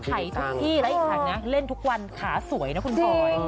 ถ่ายทุกที่แล้วอีกถังนะเล่นทุกวันขาสวยนะคุณพลอย